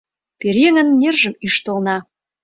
Пӧръеҥын нержым ӱштылна!